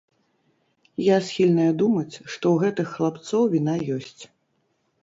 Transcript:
Я схільная думаць, што ў гэтых хлапцоў віна ёсць.